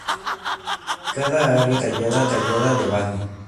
Cada área es detallada debajo.